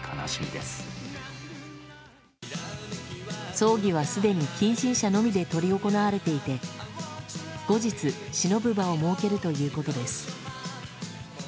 葬儀は、すでに近親者のみで執り行われていて後日、しのぶ場を設けるということです。